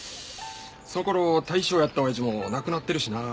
その頃大将やった親父も亡くなってるしな。